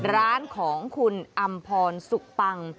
ร้านของคุณอำพรสุปัง